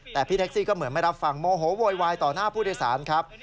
แต่พี่แท็กซี่ก็เหมือนไม่รับฟังโมโหโวยวายต่อหน้าผู้โดยสารครับ